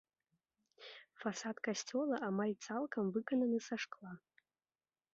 Фасад касцёла амаль цалкам выкананы са шкла.